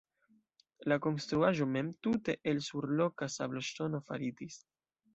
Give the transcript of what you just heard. La konstruaĵo mem tute el surloka sabloŝtono faritis.